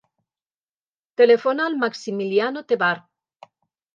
Telefona al Maximiliano Tevar.